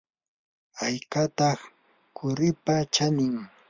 ¿haykataq quripa chanin?